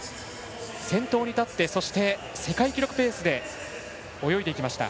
先頭に立ってそして、世界記録ペースで泳いでいきました。